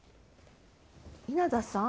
稲田さん？